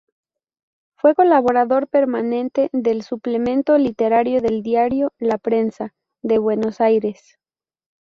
Fue colaborador permanente del suplemento literario del diario "La Prensa" de Buenos Aries.